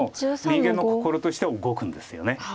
人間の心としては動くんですよね。